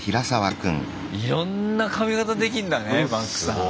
いろんな髪形できんだねマックさん。